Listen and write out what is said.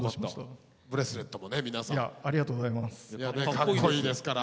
かっこいいですから。